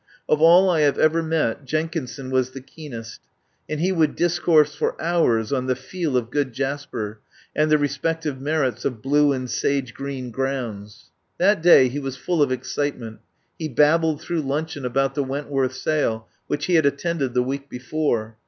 Of all I have ever met Jenkinson was the keenest, and he would discourse for hours on the "feel" of good jasper and the respective merits of blue and sage green grounds. 4i THE POWER HOUSE That day he was full of excitement. He babbled through luncheon about the Went worth sale, which he had attended the week before.